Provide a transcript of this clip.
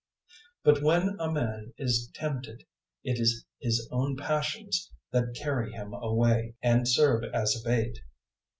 001:014 But when a man is tempted, it is his own passions that carry him away and serve as a bait.